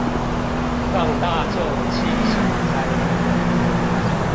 讓大眾親手參與